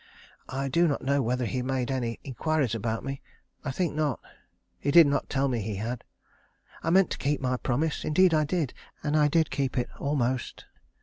I do not know whether he made any inquiries about me. I think not. He did not tell me he had. I meant to keep my promise. Indeed I did, and I did keep it, almost.